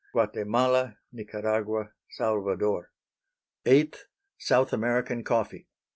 Guatemala, Nicaragua, Salvador. _VIII. South American Coffee.